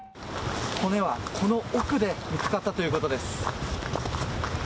骨はこの奥で見つかったということです。